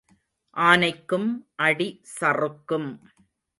ஆனைக்கும் அடி சறுக்கும்.